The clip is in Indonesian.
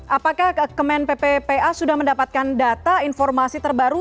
apakah kemen pppa sudah mendapatkan data informasi terbaru